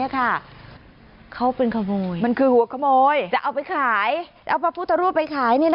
เขาเป็นขโมยจะเอาไปขายเอาพระพุทธรูปไปขาย